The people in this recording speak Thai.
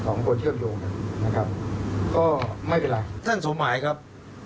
สองคนเชื่อมโยงนะครับก็ไม่เป็นไรท่านสมัยครับ